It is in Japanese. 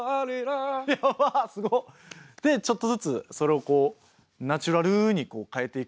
でちょっとずつそれをこうナチュラルに変えていくと。